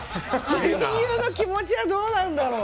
親友の気持ちはどうなんだろう。